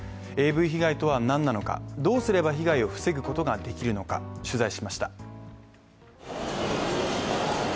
ＡＶ被害とは何なのか、どうすれば被害を防ぐことができるのか、取材しました。